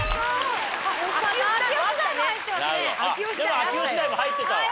秋吉台も入ってますね。